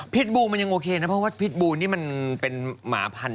บูมันยังโอเคนะเพราะว่าพิษบูนี่มันเป็นหมาพันธ